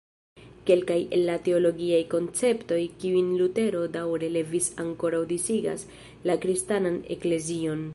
Kelkaj el la teologiaj konceptoj kiujn Lutero daŭre levis ankoraŭ disigas la Kristanan Eklezion.